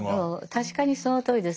確かにそのとおりです。